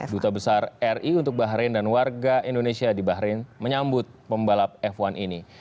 duta besar ri untuk bahrain dan warga indonesia di bahrain menyambut pembalap f satu ini